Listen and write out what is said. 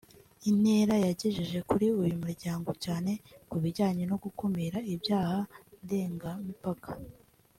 intera yagejeje kuri uyu muryango cyane ku bijyanye no gukumira ibyaha ndengamipaka